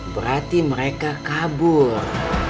berarti mereka kabur